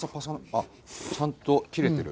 あっちゃんと切れてる。